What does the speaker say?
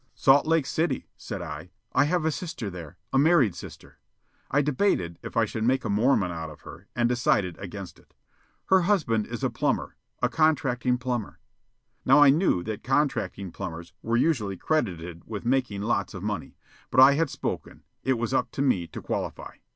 "Salt Lake City," said I. "I have a sister there a married sister." (I debated if I should make a Mormon out of her, and decided against it.) "Her husband is a plumber a contracting plumber." Now I knew that contracting plumbers were usually credited with making lots of money. But I had spoken. It was up to me to qualify.